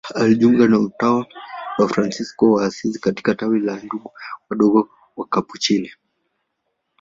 Alijiunga na utawa wa Fransisko wa Asizi katika tawi la Ndugu Wadogo Wakapuchini.